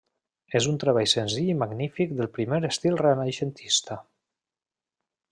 És un treball senzill i magnífic del primer estil renaixentista.